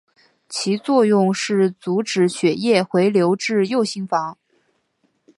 其作用是阻止血液回流至右心房。